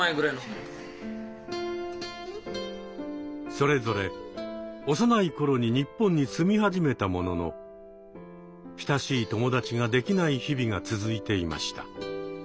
それぞれ幼い頃に日本に住み始めたものの親しい友達ができない日々が続いていました。